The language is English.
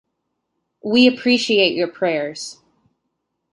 We appreciate your prayers.